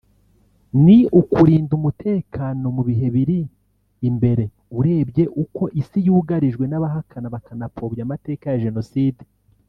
ni ukurinda umutekano mu bihe biri imbere urebye uko Isi yugarijwe n’abahakana bakanapfobya amateka ya Jenoside